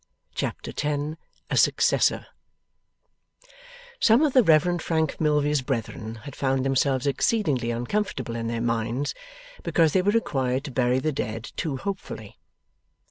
Chapter 10 A SUCCESSOR Some of the Reverend Frank Milvey's brethren had found themselves exceedingly uncomfortable in their minds, because they were required to bury the dead too hopefully.